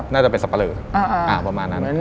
น่าจะเป็นสับปะเลอประมาณนั้น